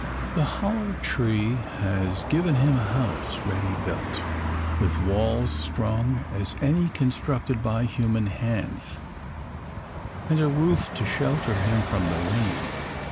The hollow tree has given him a house ready built, with walls strong as any constructed by human hands, and a roof to shelter him from the rain.